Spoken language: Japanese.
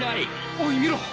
おい見ろ！